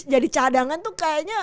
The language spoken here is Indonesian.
jadi cadangan tuh kayaknya